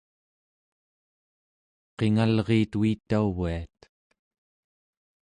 qingalriit uitaviat